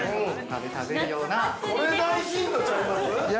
◆これは大ヒントちゃいます。